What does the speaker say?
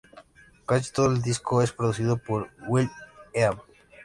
Casi todo el disco es producido por will.i.am.